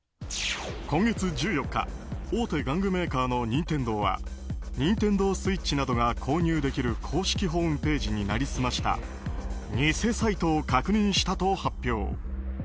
今月１４日大手玩具メーカーの任天堂はＮｉｎｔｅｎｄｏＳｗｉｔｃｈなどが購入できる公式ホームページに成り済ました偽サイトを確認したと発表。